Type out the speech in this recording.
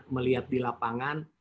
melihat di lapangan